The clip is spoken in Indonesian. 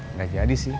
nggak jadi sih